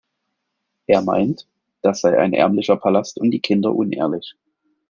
Er meint, das sei ein ärmlicher Palast und die Kinder unehrlich.